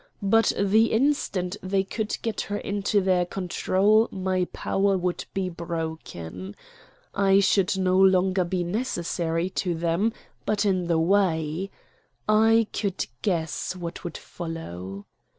But the instant they could get her into their control my power would be broken. I should no longer be necessary to them, but in the way. I could guess what would follow.